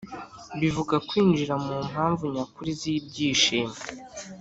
bivuga kwinjira mu mpamvu nyakuri z’ibyishimo